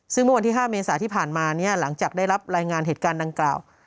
ซึ่งเมื่อวันที่๕เมษาที่ผ่านมาหลังจากได้รับรายงานเหตุการณ์ดังกล่าว